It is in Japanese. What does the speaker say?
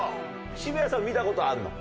渋谷さん見た事あるの？